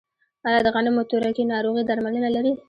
آیا د غنمو تورکي ناروغي درملنه لري؟